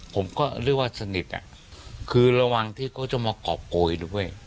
ผมก็เรียกว่าสนิทคือระวังที่เขาจะมากรอบโกยด้วย